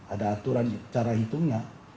ada aturan cara hitungnya